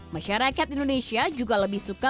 masyarakat indonesia juga lebih suka